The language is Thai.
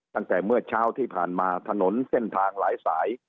ตั้งแต่เมื่อเช้าที่ผ่านมาถนนเส้นทางหลายสาย